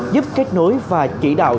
giúp kết nối và chỉ đạo